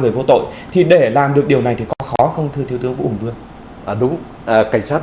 người ngay thì để làm được điều này thì có khó không thưa thiếu tướng vũ hùng vương đúng cảnh sát